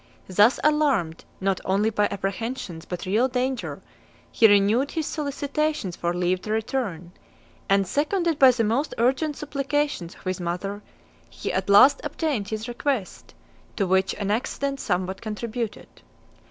Thus alarmed not only by apprehensions, but real danger, he renewed his solicitations for leave to return; and, seconded by the most urgent supplications of his mother, he at last obtained his request; to which an accident somewhat contributed.